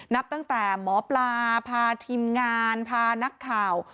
นับตั้งแต่หมอปลาพาทีมงานพานักข่าว